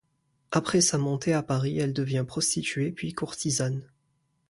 Après sa montée à Paris, elle devient prostituée puis courtisane.